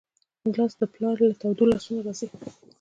ګیلاس د پلار له تودو لاسونو راځي.